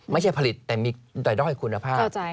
ไม่ใช่ผลิตแต่มีรายด้อยคุณภาพ